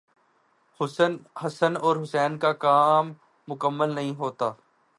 حسن اور حسین کا کام مکمل نہیں ہوتا۔